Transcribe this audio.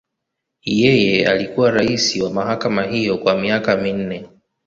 Yeye alikuwa rais wa mahakama hiyo kwa miaka minne.